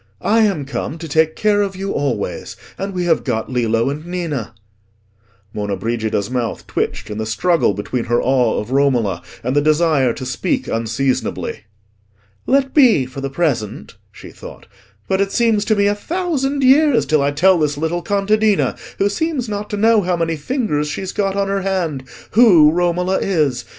"I am come to take care of you always. And we have got Lillo and Ninna." Monna Brigida's mouth twitched in the struggle between her awe of Romola and the desire to speak unseasonably. "Let be, for the present," she thought; "but it seems to me a thousand years till I tell this little contadina, who seems not to know how many fingers she's got on her hand, who Romola is.